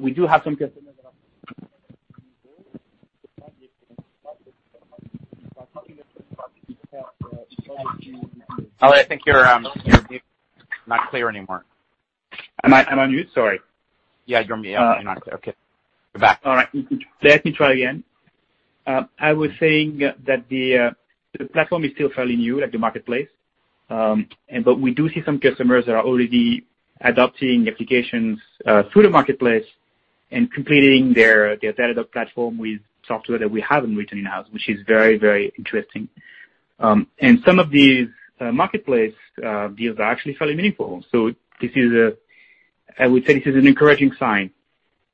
We do have some customers that are... Olivier, I think you're not clear anymore. I'm on mute? Sorry. Yeah, you're mute. You're not clear. Okay. You're back. All right. Let me try again. I was saying that the platform is still fairly new, like the Marketplace. But we do see some customers that are already adopting applications through the Marketplace and completing their Datadog platform with software that we haven't written in-house, which is very, very interesting. Some of these Marketplace deals are actually fairly meaningful. This is, I would say this is an encouraging sign.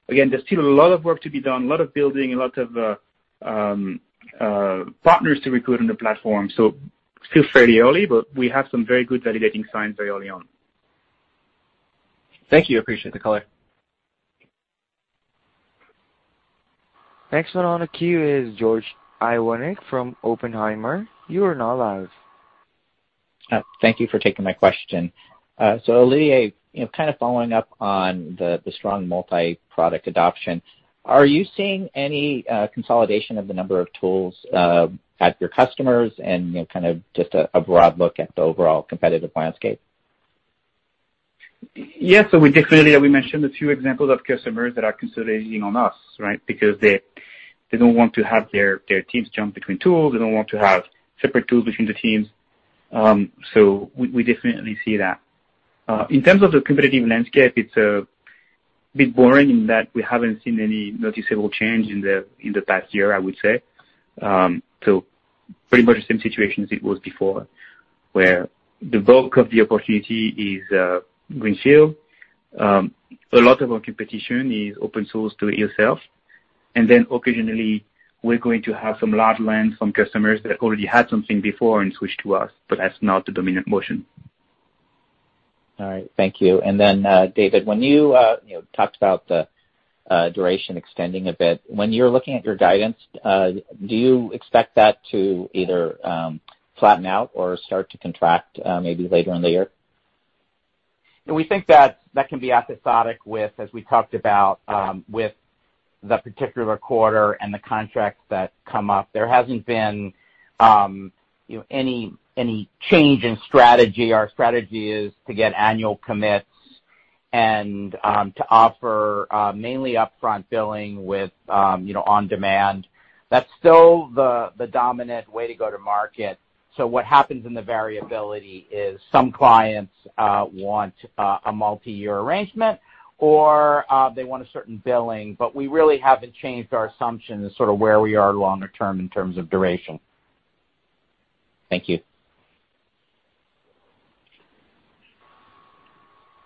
Again, there's still a lot of work to be done, a lot of building, a lot of partners to recruit on the platform. Still fairly early, but we have some very good validating signs very early on. Thank you. Appreciate the color. Next one on the queue is George Iwanyc from Oppenheimer. You are now live. Thank you for taking my question. Olivier, you know, kind of following up on the strong multi-product adoption, are you seeing any consolidation of the number of tools at your customers and, you know, kind of just a broad look at the overall competitive landscape? Yes. We definitely, we mentioned a few examples of customers that are consolidating on us, right? Because They don't want to have their teams jump between tools. They don't want to have separate tools between the teams. We definitely see that. In terms of the competitive landscape, it's a bit boring in that we haven't seen any noticeable change in the, in the past year, I would say. Pretty much the same situation as it was before, where the bulk of the opportunity is greenfield. A lot of our competition is open source do-it-yourself. Occasionally we're going to have some large land, some customers that already had something before and switched to us, but that's not the dominant motion. All right. Thank you. Then, David, when you know, talked about the duration extending a bit, when you're looking at your guidance, do you expect that to either flatten out or start to contract maybe later in the year? We think that that can be episodic with, as we talked about, with the particular quarter and the contracts that come up. There hasn't been, you know, any change in strategy. Our strategy is to get annual commits and to offer mainly upfront billing with, you know, on-demand. That's still the dominant way to go to market. What happens in the variability is some clients want a multi-year arrangement or they want a certain billing, but we really haven't changed our assumption as sort of where we are longer term in terms of duration. Thank you.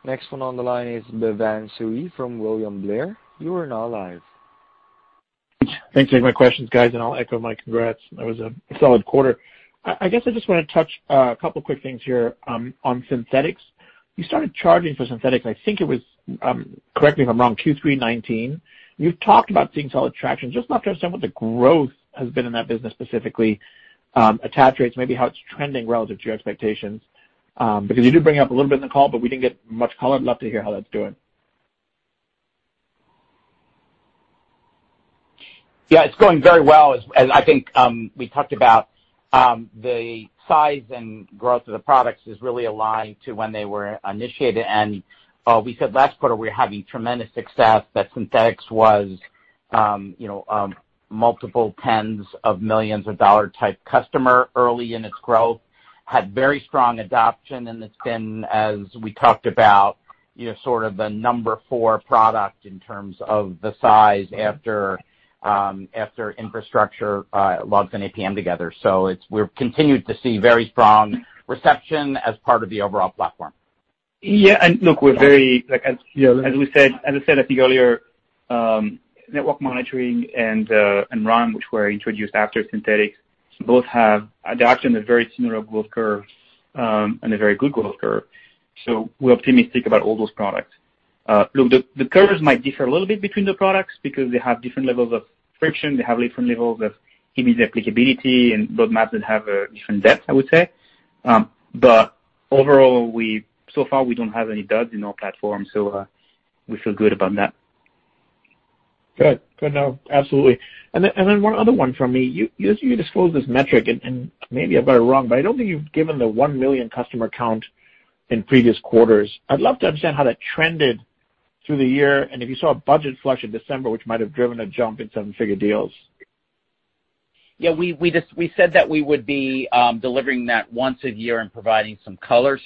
Next one on the line is Bhavan Suri from William Blair. You are now live. Thanks for taking my questions, guys, I'll echo my congrats. That was a solid quarter. I guess I just wanna touch a couple of quick things here on synthetics. You started charging for synthetics, I think it was, correct me if I'm wrong, Q3 2019. You've talked about seeing solid traction. Just love to understand what the growth has been in that business specifically, attach rates, maybe how it's trending relative to your expectations. You did bring it up a little bit in the call, but we didn't get much color. Love to hear how that's doing. Yeah, it's going very well. As I think, we talked about, the size and growth of the products is really aligned to when they were initiated. We said last quarter we're having tremendous success, that Synthetics was, you know, multiple tens of millions of dollars type customer early in its growth, had very strong adoption, and it's been, as we talked about, you know, sort of the number four product in terms of the size after Infrastructure, Logs and APM together. We've continued to see very strong reception as part of the overall platform. Yeah. Look, we're like, as we said, as I said, I think earlier, network monitoring and RUM, which were introduced after synthetics, both have adoption, a very similar growth curve, and a very good growth curve. We're optimistic about all those products. Look, the curves might differ a little bit between the products because they have different levels of friction, they have different levels of immediate applicability, and roadmaps that have a different depth, I would say. Overall, so far, we don't have any duds in our platform, we feel good about that. Good to know. Absolutely. Then one other one from me. You disclosed this metric, maybe I've got it wrong, but I don't think you've given the 1 million customer count in previous quarters. I'd love to understand how that trended through the year and if you saw a budget flush in December, which might have driven a jump in seven-figure deals. Yeah, we said that we would be delivering that once a year and providing some color.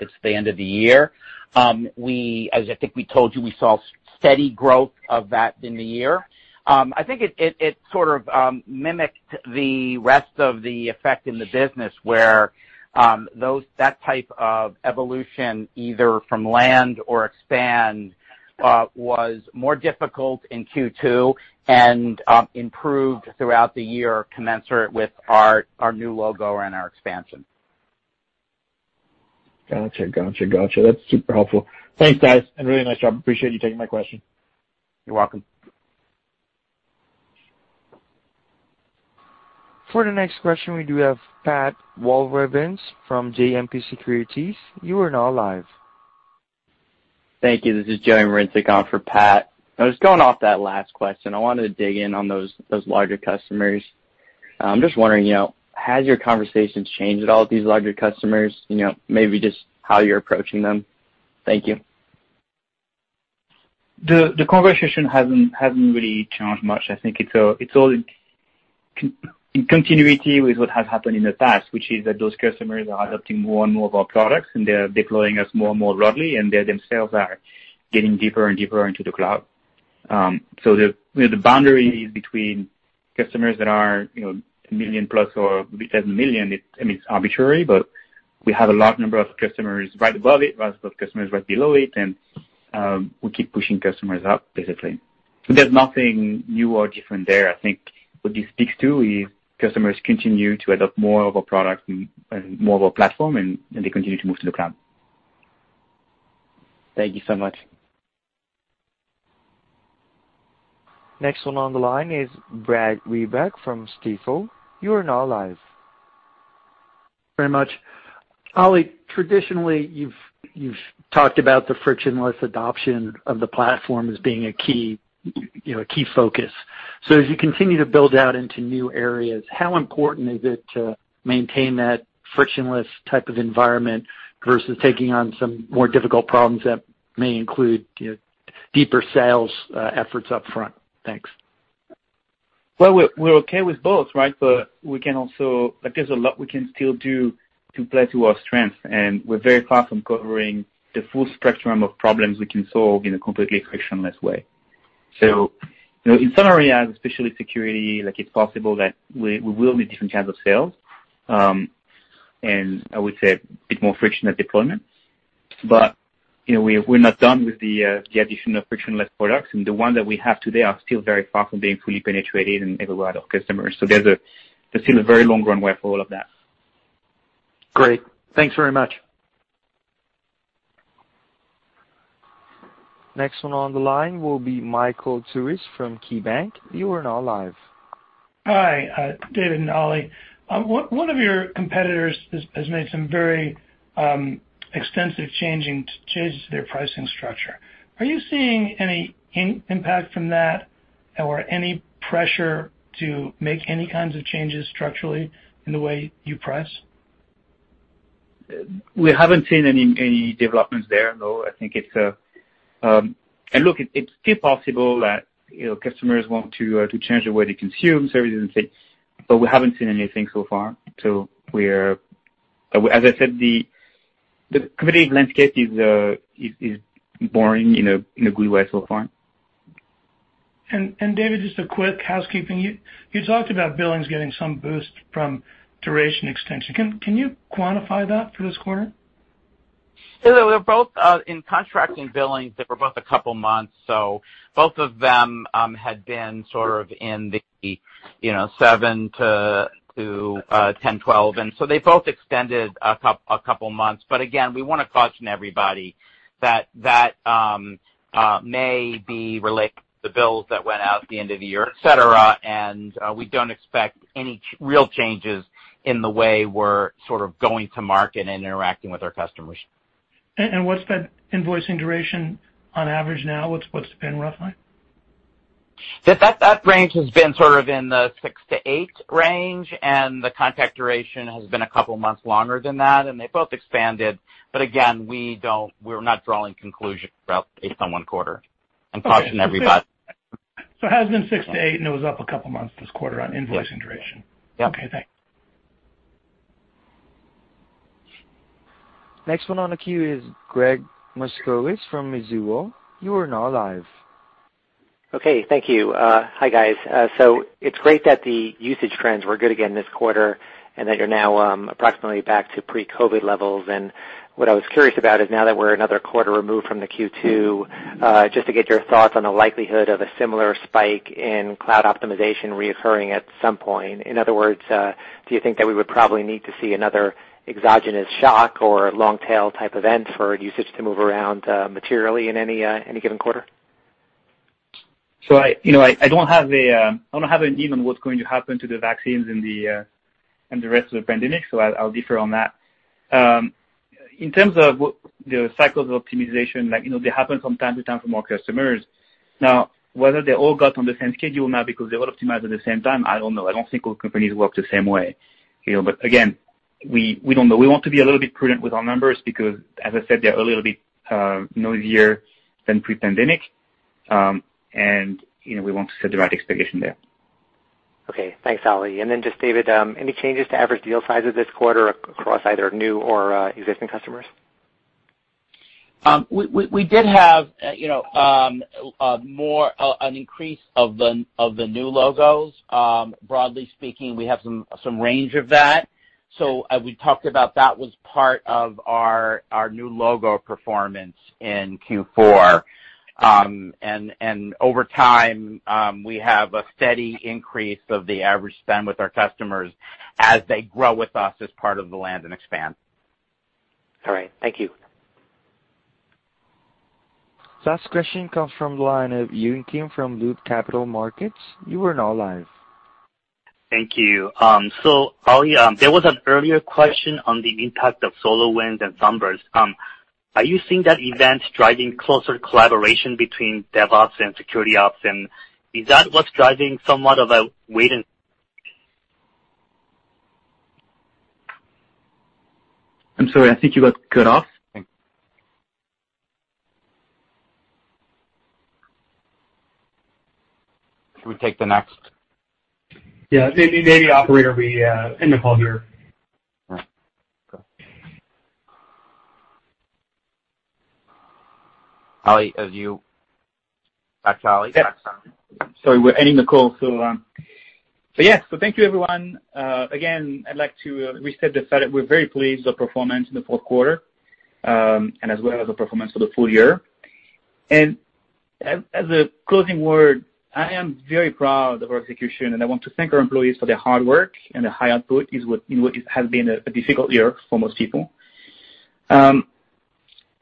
It's the end of the year. As I think we told you, we saw steady growth of that in the year. I think it sort of mimicked the rest of the effect in the business where that type of evolution, either from land or expand, was more difficult in Q2 and improved throughout the year commensurate with our new logo and our expansion. Gotcha. Gotcha. Gotcha. That's super helpful. Thanks, guys, and really nice job. Appreciate you taking my question. You're welcome. For the next question, we do have Pat Walravens from JMP Securities. You are now live. Thank you. This is Joey Marincek on for Pat. I was going off that last question. I wanted to dig in on those larger customers. Just wondering, you know, has your conversations changed at all with these larger customers? You know, maybe just how you're approaching them. Thank you. The conversation hasn't really changed much. I think it's all in continuity with what has happened in the past, which is that those customers are adopting more and more of our products. They are deploying us more and more broadly. They themselves are getting deeper and deeper into the cloud. The, you know, the boundary between customers that are, you know, 1 million plus or below 1 million, I mean, it's arbitrary, but we have a large number of customers right above it, large number of customers right below it, and we keep pushing customers up, basically. There's nothing new or different there. I think what this speaks to is customers continue to adopt more of our product and more of our platform, and they continue to move to the cloud. Thank you so much. Next one on the line is Brad Reback from Stifel. Very much. Oli, traditionally, you've talked about the frictionless adoption of the platform as being a key, you know, a key focus. As you continue to build out into new areas, how important is it to maintain that frictionless type of environment versus taking on some more difficult problems that may include, you know, deeper sales efforts up front. Thanks. Well, we're okay with both, right? We can also Like, there's a lot we can still do to play to our strengths, and we're very far from covering the full spectrum of problems we can solve in a completely frictionless way. You know, in some areas, especially security, like, it's possible that we will need different kinds of sales, and I would say a bit more frictionless deployments. You know, we're not done with the addition of frictionless products, and the ones that we have today are still very far from being fully penetrated in every one of our customers. There's still a very long runway for all of that. Great. Thanks very much. Next one on the line will be Michael Turits from KeyBanc. Hi, David and Oli. One of your competitors has made some very extensive changes to their pricing structure. Are you seeing any impact from that or any pressure to make any kinds of changes structurally in the way you price? We haven't seen any developments there, no. I think it's still possible that, you know, customers want to change the way they consume services and such, but we haven't seen anything so far. As I said, the competitive landscape is boring, you know, in a good way so far. David, just a quick housekeeping. You talked about billings getting some boost from duration extension. Can you quantify that for this quarter? They're both in contract and billings, they were both a couple months, so both of them had been sort of in the, you know, seven to 10, 12, and so they both extended a couple months. Again, we wanna caution everybody that may be related to the bills that went out at the end of the year, et cetera, and we don't expect any real changes in the way we're sort of going to market and interacting with our customers. What's that invoicing duration on average now? What's it been roughly? That range has been sort of in the six to eight range, and the contract duration has been two months longer than that, and they both expanded. Again, we're not drawing conclusions about based on one quarter. Okay. Caution everybody. It has been six to eight, and it was up a couple months this quarter on invoicing duration. Yep. Okay, thanks. Next one on the queue is Gregg Moskowitz from Mizuho. You are now live. Thank you. Hi, guys. It's great that the usage trends were good again this quarter and that you're now approximately back to pre-COVID-19 levels. What I was curious about is now that we're another quarter removed from the Q2, just to get your thoughts on the likelihood of a similar spike in cloud optimization reoccurring at some point. In other words, do you think that we would probably need to see another exogenous shock or long tail type event for usage to move around materially in any given quarter? I, you know, I don't have a, I don't have an view on what's going to happen to the vaccines and the rest of the pandemic, so I'll defer on that. In terms of what the cycles of optimization, like, you know, they happen from time to time for more customers. Now, whether they all got on the same schedule now because they were optimized at the same time, I don't know. I don't think all companies work the same way, you know. Again, we don't know. We want to be a little bit prudent with our numbers because as I said, they're a little bit noisier than pre-pandemic, and, you know, we want to set the right expectation there. Okay. Thanks, Oli. Just David, any changes to average deal size of this quarter across either new or existing customers? We did have, you know, more an increase of the new logos. Broadly speaking, we have some range of that. We talked about that was part of our new logo performance in Q4. Over time, we have a steady increase of the average spend with our customers as they grow with us as part of the land and expand. All right. Thank you. Last question comes from the line of Yun Kim from Loop Capital Markets. Thank you. Oli, there was an earlier question on the impact of SolarWinds and SUNBURST. Are you seeing that event driving closer collaboration between DevOps and Security Ops? Is that what's driving somewhat of a wait? I'm sorry. I think you got cut off. Should we take the next? Yeah. Maybe operator we end the call here. All right. Cool. Olivier Pomel, are you Back to Olivier Pomel? Yeah. Sorry, we're ending the call, so, yeah. Thank you, everyone. Again, I'd like to restate the fact that we're very pleased with the performance in the fourth quarter, and as well as the performance for the full year. As a closing word, I am very proud of our execution, and I want to thank our employees for their hard work and their high output is what, in what has been a difficult year for most people.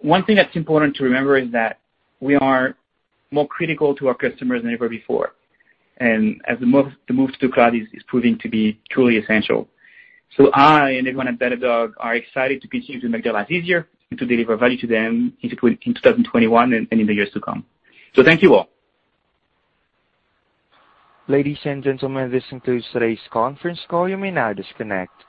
One thing that's important to remember is that we are more critical to our customers than ever before, and as the move to cloud is proving to be truly essential. I and everyone at Datadog are excited to continue to make their lives easier and to deliver value to them in 2021 and in the years to come. Thank you all. Ladies and gentlemen, this concludes today's conference call. You may now disconnect.